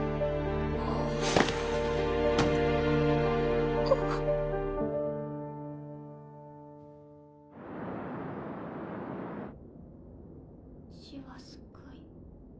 あぁあっ死は救い。